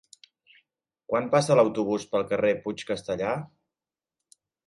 Quan passa l'autobús pel carrer Puig Castellar?